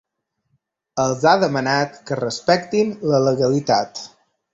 Els ha demanat que ‘respectin la legalitat’.